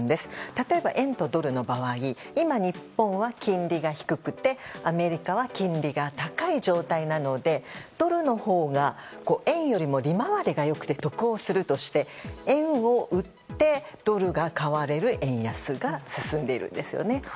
例えば、円とドルの場合今、日本は金利が低くてアメリカは金利が高い状態なのでドルのほうが円より利回りが良くて得をするとして円を売って、ドルが買われる円安が進んでいるんですね。